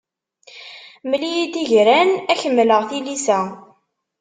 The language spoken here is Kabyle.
Mmel-iyi-d igran, ad ak-mmleɣ tilisa.